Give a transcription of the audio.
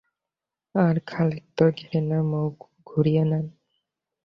আর খালিদ তো ঘৃণায় মুখ ঘুরিয়ে নেন।